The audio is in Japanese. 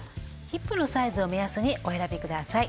ヒップのサイズを目安にお選びください。